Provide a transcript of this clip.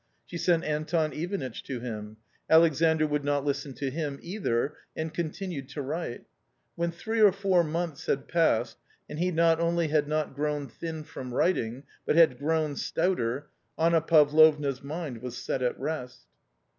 She sent Anton Ivanitch to him. Alexandr would not listen to him either, and continued to write. When three or four months had passed, and he not only had not grown thin from writing, but had grown stouter, Anna Pavlovna's mind was set at rest.